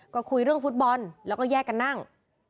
ก็คุยเรื่องฟุตบอลแล้วก็แยกกันนั่ง